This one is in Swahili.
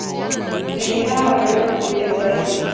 Ndege hawa wanaweza kukimbia sana.